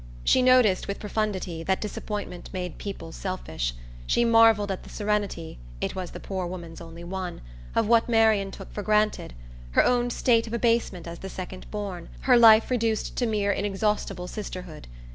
She noticed with profundity that disappointment made people selfish; she marvelled at the serenity it was the poor woman's only one of what Marian took for granted: her own state of abasement as the second born, her life reduced to mere inexhaustible sisterhood.